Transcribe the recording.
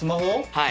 はい。